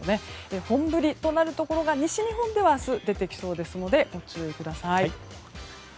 本降りとなるところが西日本では明日、出てきそうですのでご注意ください。